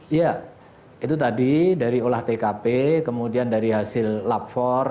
iya itu tadi dari olah tkp kemudian dari hasil lapor